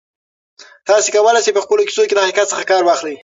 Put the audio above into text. تاسي کولای شئ په خپلو کیسو کې له حقیقت کار واخلئ.